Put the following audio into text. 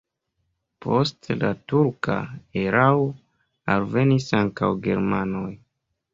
Post la turka erao alvenis ankaŭ germanoj.